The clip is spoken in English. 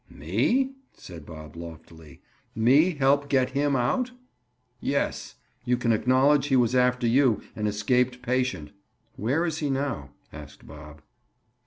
"Me?" said Bob loftily. "Me help get him out?" "Yes, you can acknowledge he was after you, an escaped patient." "Where is he now?" asked Bob.